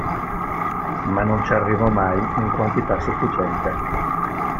Ma non ci arrivò mai in quantità sufficiente.